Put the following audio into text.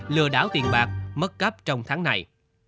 lừa đảo tiền bạc mất cấp trong tháng này